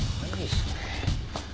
それ。